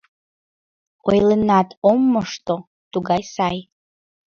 Ойленат ом мошто, тугай сай...